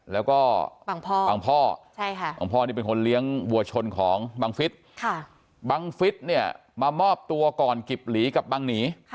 แล้วก็บางพ่อของพ่อนี่เป็นคนเลี้ยงวัวชนของบังฟิศบังฟิศเนี่ยมามอบตัวก่อนกิบหลีกับบังหนี